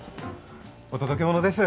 お届け物です。